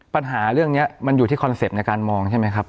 ปัญหาเรื่องนี้มันอยู่ที่คอนเซ็ปต์ในการมองใช่ไหมครับ